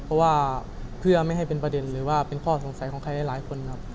เพราะว่าเพื่อไม่ให้เป็นประเด็นหรือว่าเป็นข้อสงสัยของใครหลายคนครับ